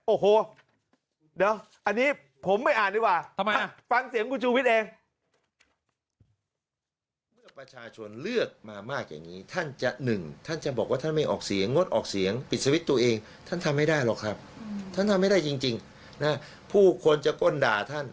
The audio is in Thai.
โอ้โหเดี๋ยวอันนี้ผมไม่อ่านดีกว่า